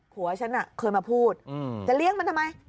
ผัวฉันเคยมาพูดจะเลี้ยงมันทำไม